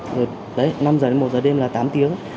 rồi đấy năm giờ đến một giờ đêm là tám tiếng